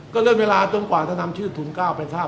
ก็เลื่อนเวลาจนกว่าจะทำชื่อธุรกรรมก้าวไปทาบ